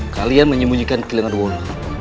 kalian menyembunyikan kilangan wulu